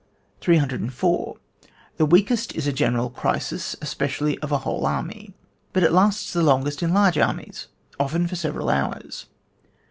304. The weakest is a general crisis, especially of a whole army ; but it lasts the longest in large armies often for several hours.